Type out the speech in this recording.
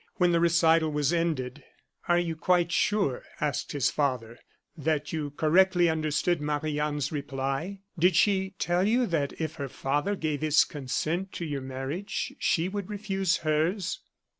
When the recital was ended: "Are you quite sure," asked his father, "that you correctly understood Marie Anne's reply? Did she tell you that if her father gave his consent to your marriage, she would refuse hers?"